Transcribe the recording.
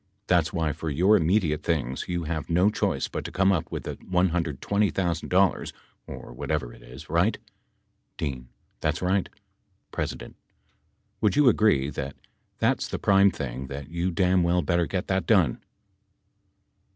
That's why for your immediate things you have no choice but to come up with the $120,000, or whatever it is. Eight? D. That's right. P. Would you agree that that's the prime thing that you damn well better get that done